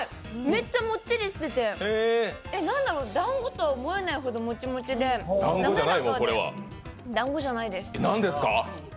めっちゃもっちりしてて何だろだんごとも思えないほどもちもちで、何ですか？